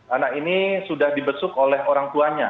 anak ini sudah dibesuk oleh orang tuanya